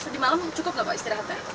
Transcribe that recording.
di malam sudah cukup gak pak istirahat ya